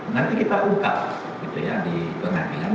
nanti kita ungkap di tandang lai